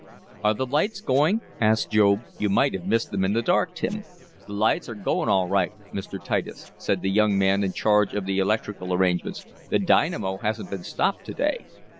"Are the lights going?" asked Job. "You might have missed them in the dark, Tim." "The lights are going all right, Mr. Titus," said the young man in charge of the electrical arrangements. "The dynamo hasn't been stopped to day."